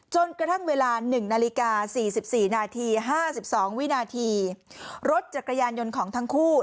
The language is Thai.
จนกระทั่งเวลา๑นาฬิกา๔๔นาที๕๒วินาทีรถจักรยานยนต์ของทั้งคู่